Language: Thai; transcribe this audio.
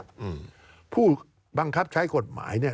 การเลือกตั้งครั้งนี้แน่